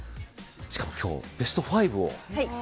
しかも今日、ベスト５を。